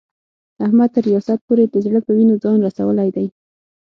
احمد تر ریاست پورې د زړه په وینو ځان رسولی دی.